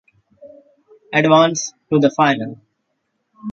Advance to the Final